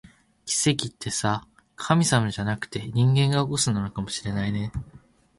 奇跡ってさ、神様じゃなくて、人間が起こすものなのかもしれないね